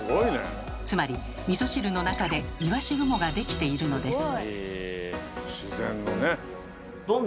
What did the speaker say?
つまりみそ汁の中でいわし雲が出来ているのです。